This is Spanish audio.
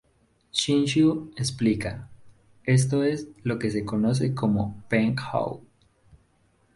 Ching-shu explica, "Esto es lo que se conoce como Peng-hou".